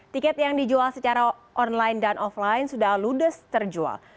tiket yang dijual secara online dan offline sudah ludes terjual